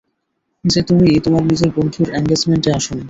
যে তুমি তোমার নিজের বন্ধুর এঙ্গেজমেন্টে আসো নি।